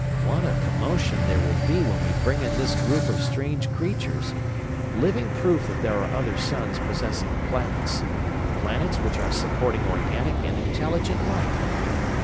What a commotion there will be when we bring in this group of strange creatures, living proof that there are other suns possessing planets; planets which are supporting organic and intelligent life!